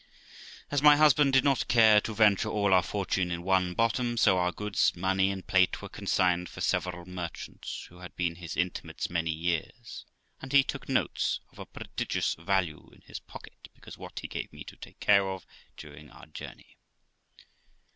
As my husband did not care to venture all our fortune in one bottom, so our goods, money, and plate were consigned to several merchants, who had been his intimates many years, and he took notes of a prodigious value in his pocket, besides what he gave me to take care of during our journey.